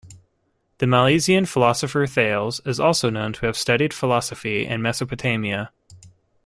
The Milesian philosopher Thales is also known to have studied philosophy in Mesopotamia.